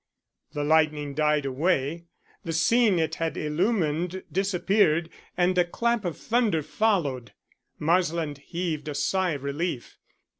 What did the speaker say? The lightning died away, the scene it had illumined disappeared, and a clap of thunder followed. Marsland heaved a sigh of relief.